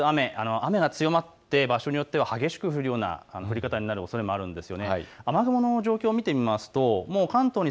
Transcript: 雨が強まって場所によっては激しく降るような降り方になるおそれもあるんですが、雨雲の状況を見てみましょう。